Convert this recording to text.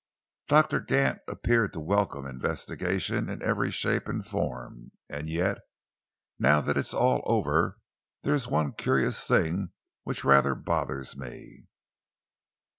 Doctor Gant appeared to welcome investigation in every shape and form, and yet, now that it's all over, there is one curious thing which rather bothers me."